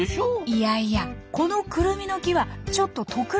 いやいやこのクルミの木はちょっと特別なんです。